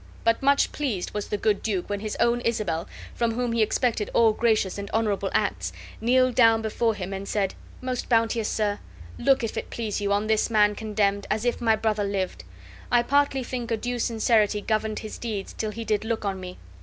But much pleased was the good duke when his own Isabel, from whom he expected all gracious and honorable acts, kneeled down before him, and said: "Most bounteous sir, look, if it please you, on this man condemned, as if my brother lived. I partly think a due sincerity governed his deeds till he did look on me.